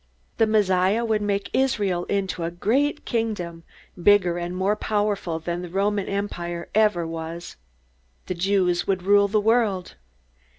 The Messiah would make Israel into a great kingdom, bigger and more powerful than the Roman Empire ever was. The Jews would rule the world.